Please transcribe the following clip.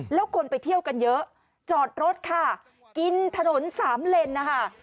แล้วคนไปเที่ยวกันเยอะจอดรถค่ะกินถนนสามเลนนะคะ